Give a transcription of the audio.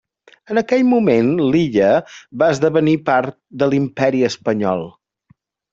En aquell moment l'illa va esdevenir part de l'Imperi Espanyol.